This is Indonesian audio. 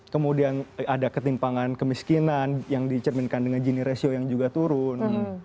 kemudian ada ketimpangan kemiskinan yang dicerminkan dengan gini ratio yang juga turun